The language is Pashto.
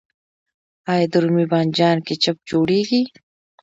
آیا د رومي بانجان کیچپ جوړیږي؟